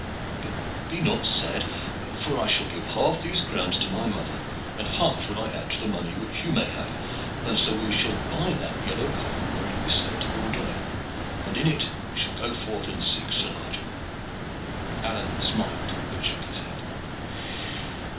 "But be not sad, for I shall give half these crowns to my old mother, and half will I add to the money which you may have, and so we shall buy that yellow cog wherein we sailed to Bordeaux, and in it we shall go forth and seek Sir Nigel." Alleyne smiled, but shook his head.